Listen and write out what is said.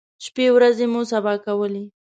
شپی ورځې مو سبا کولې.